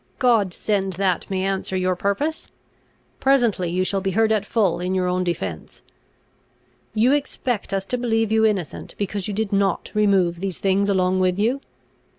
God send that may answer your purpose! Presently you shall be heard at full in your own defence. "You expect us to believe you innocent, because you did not remove these things along with you.